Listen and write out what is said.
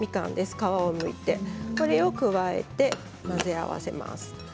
皮をむいてこれを加えて混ぜ合わせます。